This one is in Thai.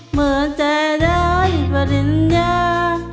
สวรรค์ใจได้ปริญญา